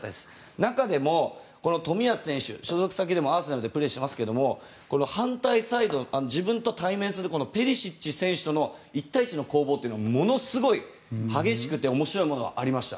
中でも冨安選手、所属先でもアーセナルでプレーしていますが反対サイド自分と対面するペリシッチ選手との１対１の攻防はものすごく激しくて面白いものがありました。